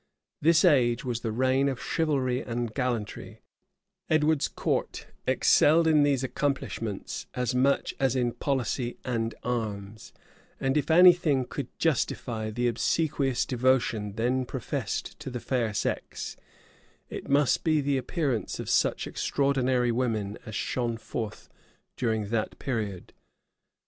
This age was the reign of chivalry and gallantry: Edward's court excelled in these accomplishments as much as in policy and arms: and if any thing could justify the obsequious devotion then professed to the fair sex, it must be the appearance of such extraordinary women as shone forth during that period.